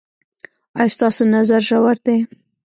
ایا ستاسو نظر ژور دی؟